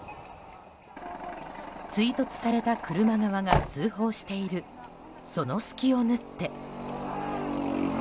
追突された車側が通報しているその隙を縫って。